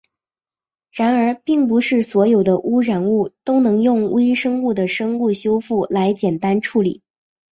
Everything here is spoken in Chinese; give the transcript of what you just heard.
然而并不是所有的污染物都能用微生物的生物修复来简单处理。